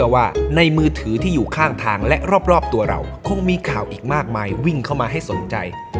วิ่งเข้ามาให้สนใจ